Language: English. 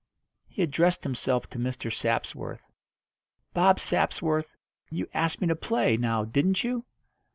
He addressed himself to Mr. Sapsworth. "Bob Sapsworth, you asked me to play, now didn't you?